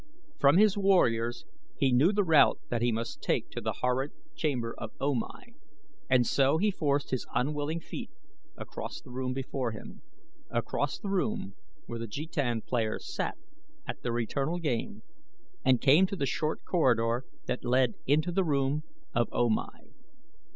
From his warriors he knew the route that he must take to the horrid chamber of O Mai and so he forced his unwilling feet across the room before him, across the room where the jetan players sat at their eternal game, and came to the short corridor that led into the room of O Mai.